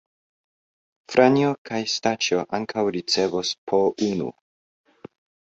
Franjo kaj Staĉjo ankaŭ ricevos po unu.